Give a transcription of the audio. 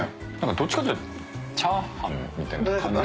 どっちかっていうとチャーハンみたいな感じ。